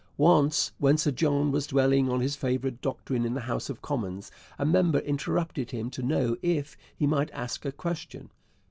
Once, when Sir John was dwelling on his favourite doctrine in the House of Commons, a member interrupted him to know if he might ask a question.